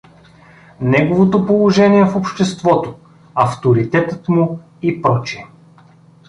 Неговото положение в обществото, авторитетът му и пр.